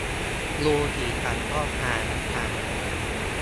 ดูกี่ครั้งก็ฮาน้ำตาไหล